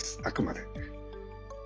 あくまで。